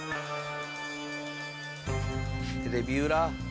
テレビ裏。